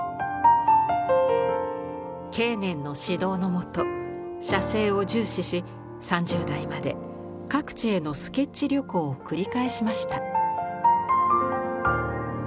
景年の指導のもと写生を重視し３０代まで各地へのスケッチ旅行を繰り返しました。